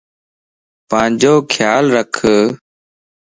پانجو خيال رکَ